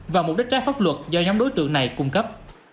và mục đích trái pháp luật do nhóm đối tượng này cung cấp